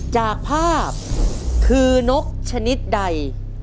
จากภาพคือนกชนิดใด